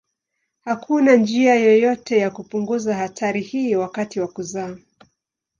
Hakuna njia yoyote ya kupunguza hatari hii wakati wa kuzaa.